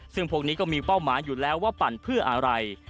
ซึ่งพวกนี้ก็มีเป้าหมายอยู่แล้วว่าปั่นเพื่ออะไร